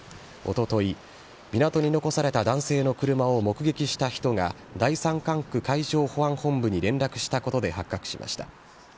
おととい、港に残された男性の車を目撃した人が、第３管区海上保安本部に連絡したことで発覚しました。